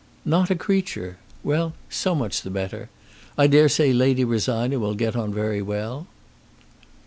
"Not a creature. Well; so much the better. I dare say Lady Rosina will get on very well."